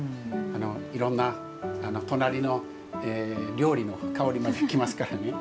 いろんな、隣の料理の香りまできますからね。